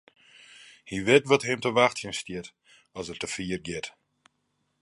Hy wit wat him te wachtsjen stiet as er te fier giet.